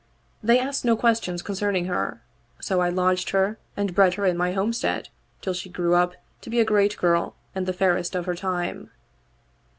They asked no questions concerning her ; so I lodged her and bred her in my homestead till she grew up to be a great girl and the fairest of her time.